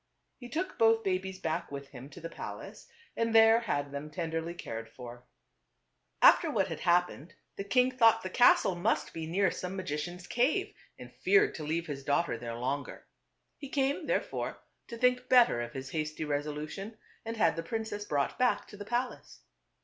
He took both babies back with him to the palace and there had them tenderly cared for. 286 TWO BBOTHEBS. After what had happened the king thought the castle must be near some magician's cave, and feared to leave his daughter there longer. He came, therefore, to think better of his hasty resolution and had the princess brought back to the palace.